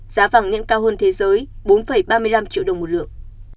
giá vàng nhẫn cao hơn thế giới bốn ba mươi năm triệu đồng một lượng